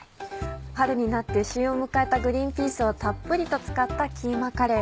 春になって旬を迎えたグリンピースをたっぷりと使ったキーマカレー。